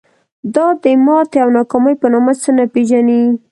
دا د ماتې او ناکامۍ په نامه څه نه پېژني.